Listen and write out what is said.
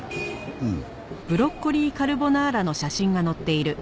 うん。